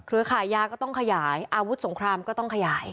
ขายยาก็ต้องขยายอาวุธสงครามก็ต้องขยาย